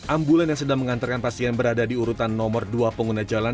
ambulan yang sedang mengantarkan pasien berada di urutan nomor dua pengguna jalan